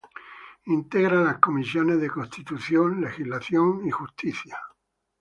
Integra las comisiones de Constitución, Legislación y Justicia.